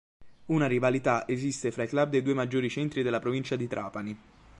Una rivalità esiste fra i club dei due maggiori centri della provincia di Trapani.